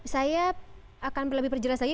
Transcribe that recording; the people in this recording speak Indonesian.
saya akan lebih perjelas lagi